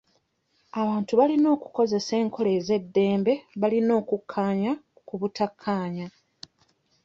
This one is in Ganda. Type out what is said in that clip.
Abantu balina okukozesa enkola ez'eddembe balina okukaanya ku obutakaanya.